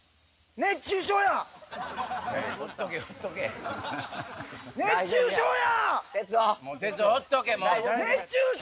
熱中症や！